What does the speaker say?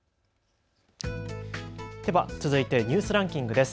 では続いてニュースランキングです。